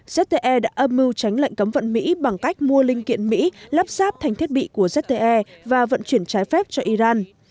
zte đã âm mưu tránh lệnh cấm vận mỹ bằng cách mua linh kiện mỹ lắp sáp thành thiết bị của zte và vận chuyển trái phép cho iran